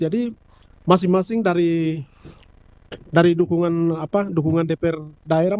jadi masing masing dari dukungan dpr daerah